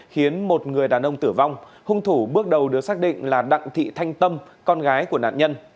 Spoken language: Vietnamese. khiến một người đàn ông tử vong hung thủ bước đầu được xác định là đặng thị thanh tâm con gái của nạn nhân